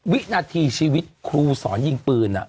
วินาทีชีวิตครูสอนยิงปืน